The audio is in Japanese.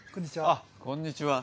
あっこんにちは。